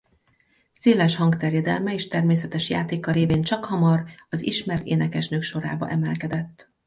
Széles hangterjedelme és természetes játéka révén csakhamar az ismert énekesnők sorába emelkedett.